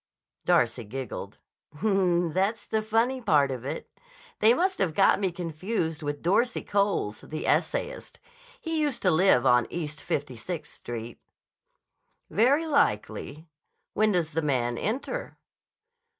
Darcy giggled. "That's the funny part of it. They must have got me confused with Dorsey Coles, the essayist. He used to live on East Fifty Sixth Street." "Very likely. When does the Man enter?"